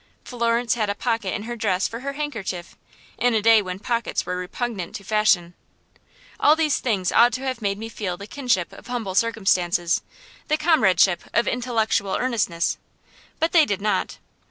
Florence had a pocket in her dress for her handkerchief, in a day when pockets were repugnant to fashion. All these things ought to have made me feel the kinship of humble circumstances, the comradeship of intellectual earnestness; but they did not.